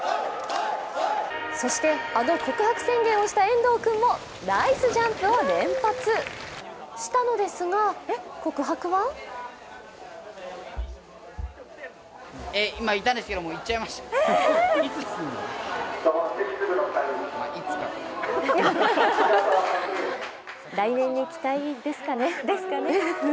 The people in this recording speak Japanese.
そして、あの告白宣言をした遠藤君もナイスジャンプを連発したのですが、告白は来年に期待ですかね。